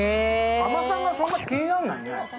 甘さがそんなに気にならないね。